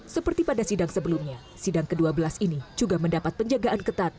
seperti pada sidang sebelumnya sidang ke dua belas ini juga mendapat penjagaan ketat